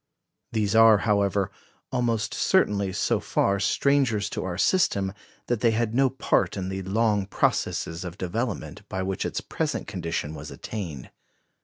These are, however, almost certainly so far strangers to our system that they had no part in the long processes of development by which its present condition was attained.